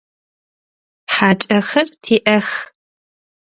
ХьакӀэхэр тиӀэх.